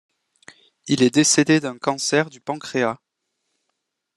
Il est décédé d'un cancer du pancréas.